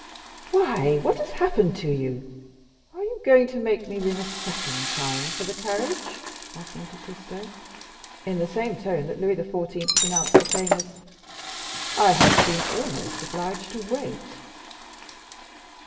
"Why, what has happened to you?—are you going to make me ring a second time for the carriage?" asked Monte Cristo, in the same tone that Louis XIV. pronounced the famous, "I have been almost obliged to wait."